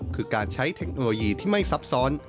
คือการใช้เทคโนโลยีที่ไม่ซับซ้อน